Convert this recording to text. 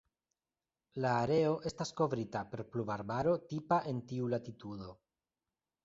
La areo estas kovrita per pluvarbaro tipa en tiu latitudo.